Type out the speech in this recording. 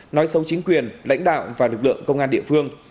nói sâu chính quyền lãnh đạo và lực lượng công an địa phương